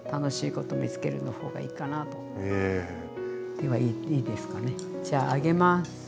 ではいいですかねじゃあ揚げます。